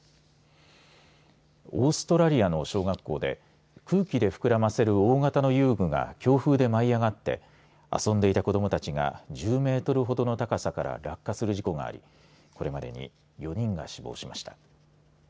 オーストラリアの小学校で空気で膨らませる大型の遊具が強風で舞い上がって遊んでいた子どもたちが１０メートルほどの高さから落下する事故がありこれまでに４人が死亡しました。